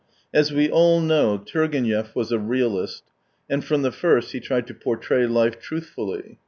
As we all know, Turgenev was a realist, and from the first he tried to portray life truthfully.